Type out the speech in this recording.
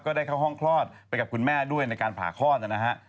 ได้เข้าห้องคลอดไปกับคุณแม่ด้วยในการผ่าคลอดนะฮะ